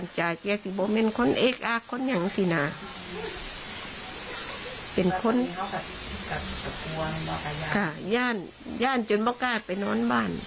เชิงเชิง